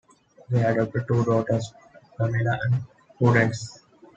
They adopted two daughters, Pamela and Prudence.